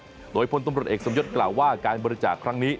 โดยพลตำรวจเอกสมยศกล่าวว่าการบริจาคครั้งนี้